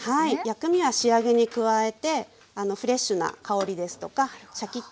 薬味は仕上げに加えてフレッシュな香りですとかシャキッとした食感